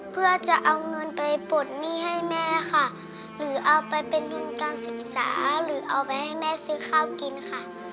เพื่อจะเอาเงินไปปลดหนี้ให้แม่ค่ะหรือเอาไปเป็นทุนการศึกษาหรือเอาไปให้แม่ซื้อข้าวกินค่ะ